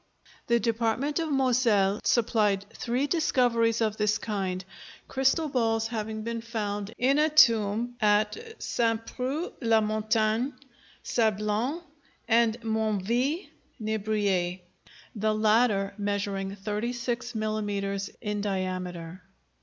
The department of Moselle supplied three discoveries of this kind, crystal balls having been found in a tomb at St. Preux la Montagne, Sablon and Moineville near Briey, the latter measuring 36 mm. in diameter.